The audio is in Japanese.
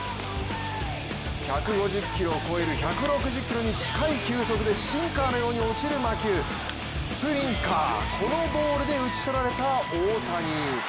１５０キロを超える１６０キロに近い球速でシンカーのように落ちる魔球、スプリンカーこのボールで打ち取られた大谷。